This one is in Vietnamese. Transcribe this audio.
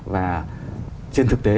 và trên thực tế